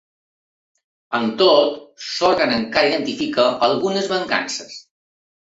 Amb tot, l’òrgan encara identifica algunes mancances.